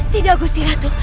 tidak agustin ratu